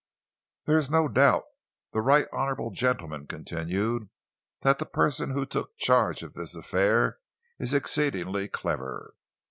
"There is no doubt," the right honourable gentleman continued, "that the person who took charge of this affair is exceedingly clever.